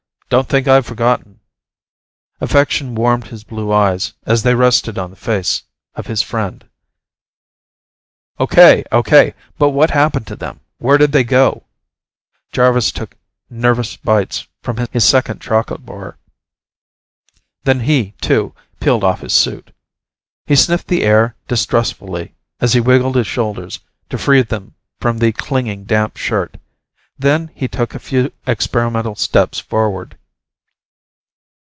Don't think I've forgotten." Affection warmed his blue eyes as they rested on the face of his friend. "Okay! Okay! But what happened to them? Where did they go?" Jarvis took nervous bites from his second chocolate bar. Then he, too, peeled off his suit. He sniffed the air distrustfully, as he wiggled his shoulders to free them from the clinging, damp shirt. Then he took a few experimental steps forward.